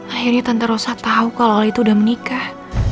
akhirnya tante rosa tau kalau al itu udah menikah